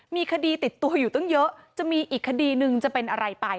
มีคดีติดตัวอยู่ตั้งเยอะจะมีอีกคดีหนึ่งจะเป็นอะไรไป